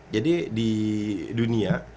jadi di dunia